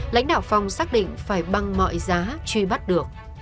lãnh đạo phòng xác định phải bằng mọi giá truy bắt được